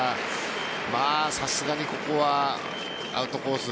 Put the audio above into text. さすがにここはアウトコース